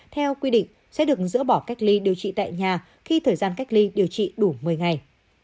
theo quy định sẽ được dỡ bỏ cách ly điều trị tại nhà khi thời gian cách ly điều trị đủ một mươi ngày